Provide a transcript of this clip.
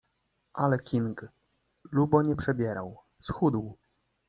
Ale King, lubo nie przebierał — schudł.